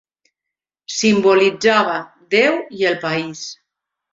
Simbolitzava Déu i el país.